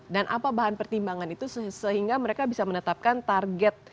dan apa bahan pertimbangan itu sehingga mereka bisa menetapkan target